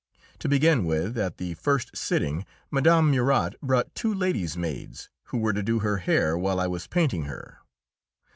To begin with, at the first sitting, Mme. Murat brought two lady's maids, who were to do her hair while I was painting her.